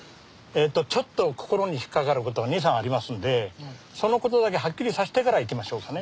ちょっと心に引っかかることが２３ありますのでそのことだけはっきりさせてから行きましょうかね。